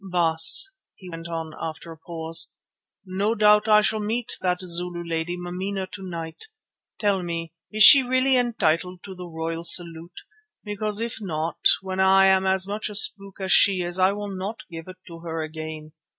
"Baas," he went on after a pause, "no doubt I shall meet that Zulu lady Mameena to night. Tell me, is she really entitled to the royal salute? Because if not, when I am as much a spook as she is I will not give it to her again.